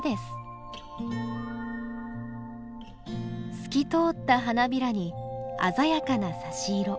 透き通った花びらに鮮やかなさし色。